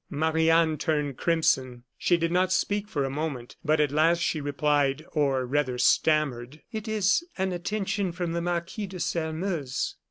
Marie Anne turned crimson. She did not speak for a moment, but at last she replied, or rather stammered: "It is an attention from the Marquis de Sairmeuse."